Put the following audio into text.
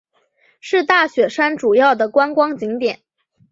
是大雪山主要的观光景点。